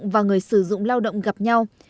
và người sử dụng lao động gặp nhau